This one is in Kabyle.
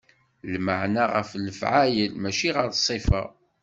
Lmeɛna ɣer lefɛayel, mačči ɣer ṣṣifa.